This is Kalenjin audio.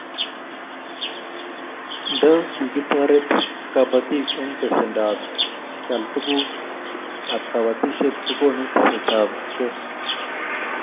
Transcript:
Nda kitoret kabatik eng pesendoab keal tuguk ab kabatishet kokonu tesetetaitab kei